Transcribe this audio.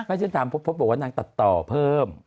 ถ้าชินตามพบฟเขาบอกว่านางตัดต่อเพิ่ม